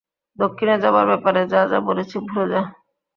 দক্ষিণে যাবার ব্যাপারে যা যা বলেছি ভুলে যা!